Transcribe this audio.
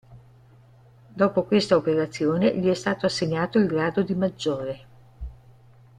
Dopo questa operazione, gli è stato assegnato il grado di maggiore.